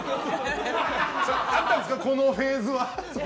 あったんですかこのフェーズは。